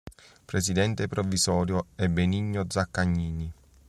Presidente Provvisorio è Benigno Zaccagnini.